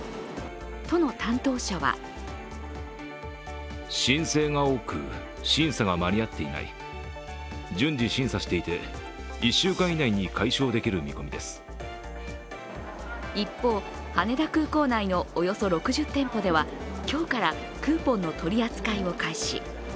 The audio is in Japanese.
都の担当者は一方、羽田空港内のおよそ６０店舗では今日からクーポンの取り扱いを開始。